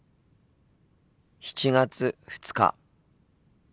７月２日。